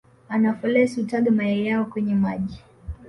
Anopheles hutaga mayai yao kwenye maji